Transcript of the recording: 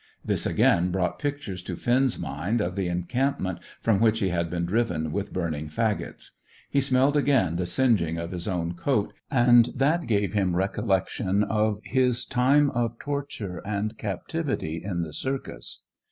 This, again, brought pictures to Finn's mind of the encampment from which he had been driven with burning faggots. He smelled again the singeing of his own coat, and that gave him recollection of his time of torture and captivity in the circus.